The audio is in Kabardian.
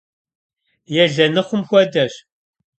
Елэныхъум хуэдэщ.